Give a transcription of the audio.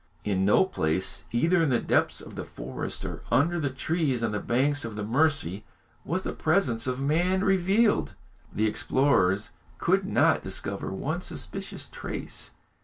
In no place, either in the depths of the forest or under the trees on the banks of the Mercy, was the presence of man revealed. The explorers could not discover one suspicious trace.